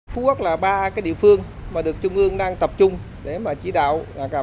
phú quốc là ba địa phương mà được trung ương đang tập trung để chỉ đạo